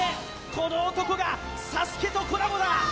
この男がＳＡＳＵＫＥとコラボだ！